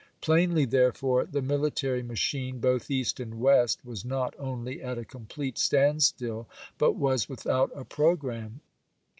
Plainly, therefore, the military machine, both East and West, was not only at a complete standstill, but was without a programme.